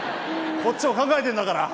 こっちも考えてんだから。